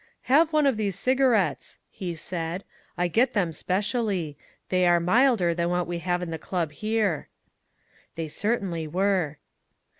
"Have one of these cigarettes," he said. "I get them specially. They are milder than what we have in the club here." They certainly were.